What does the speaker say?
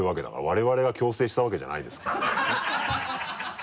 我々が強制したわけじゃないですからね。